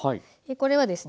これはですね